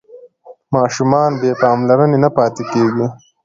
ماشومان بې پاملرنې نه پاتې کېږي.